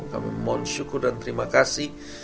kami mohon syukur dan terima kasih